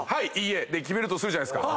決めるとするじゃないですか。